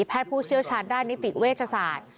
ผู้เชี่ยวชาญด้านนิติเวชศาสตร์